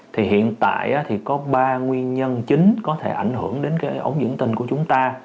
thì hiện tại thì có ba nguyên nhân chính có thể ảnh hưởng đến cái ống dẫn tình của chúng ta